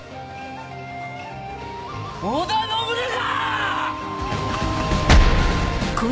織田信長！